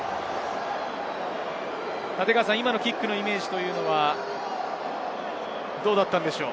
今のキックのイメージはどうだったのでしょう？